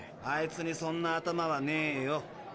あいつにそんな頭はねえよ。